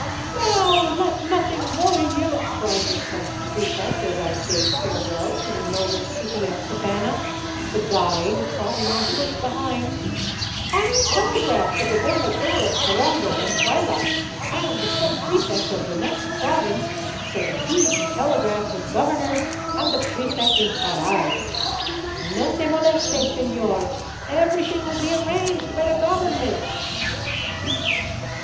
" Now let nothing worry you," cried the subpref ect, as I bade fare well to the noble city of Cabana, the " guide " trotting on foot behind, " I '11 telegraph the gobernador of Corongo and Huaylas and the subpre fect of the next province so that he can telegraph his governors and the prefect in Huaraz. No se moleste, sehor ; everything will be ar ranged by the government."